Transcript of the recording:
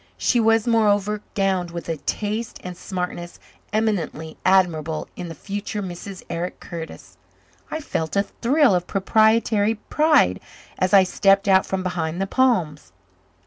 She was, moreover, gowned with a taste and smartness eminently admirable in the future Mrs. Eric Curtis. I felt a thrill of proprietary pride as I stepped out from behind the palms.